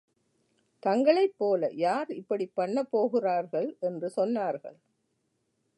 தங்களைப் போல யார் இப்படிப் பண்ணப் போகிறார்கள் என்று சொன்னார்கள்.